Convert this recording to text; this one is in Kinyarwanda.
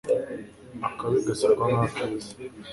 akabi gasekwa nk'akeza